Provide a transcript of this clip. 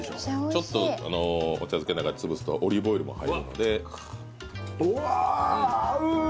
ちょっとお茶漬けの中でつぶすとオリーブオイルも入るのでうわー合うー！